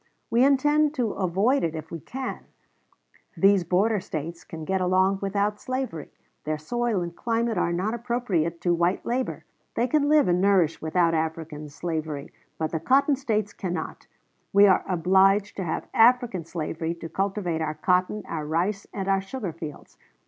We intend to avoid it if we can. These border States can get along without slavery. Their soil and climate are appropriate to white labor; they can live and nourish without African slavery; but the Cotton States cannot. We are obliged to have African slavery to cultivate our cotton, our rice, and our sugar fields.